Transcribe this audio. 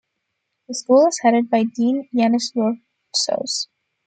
The school is headed by Dean Yannis Yortsos.